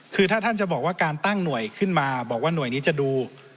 คือถ้าท่านจะบอกว่าการตั้งหน่วยขึ้นมาบอกว่าหน่วยนี้จะดู